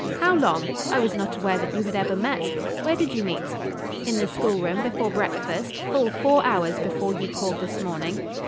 how long? I was not aware that you had ever met. Where did you meet?" "In the schoolroom, before breakfast, full four hours before you called this morning."